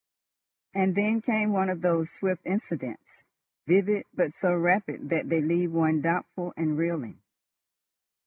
And then came one of those swift incidents, vivid, but so rapid that they leave one doubtful and reeling.